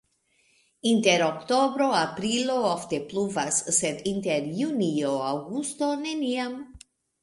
Inter oktobro-aprilo ofte pluvas, sed inter junio-aŭgusto neniam.